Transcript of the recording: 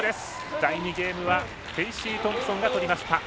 第２ゲームはフェイシートンプソンがとりました。